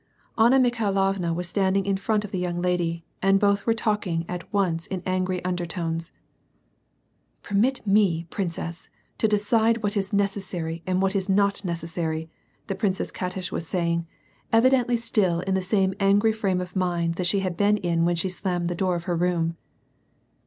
Anna Mikhailovna was standing in front of the young lady, and both were talking at once in angry undertones, —'' Permit me, princess, to decide what is necessary and what is not necessary,'' the Princess Katish was saying, evidently still in the same angry frame of mind that she had been when she slammed the door of her room.